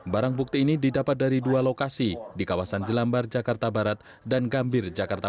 barang bukti ini didapat dari dua lokasi di kawasan jelambar jakarta barat dan gambir jakarta